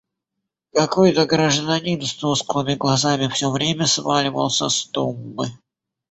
Какой-то гражданин с тусклыми глазами всё время сваливался с тумбы.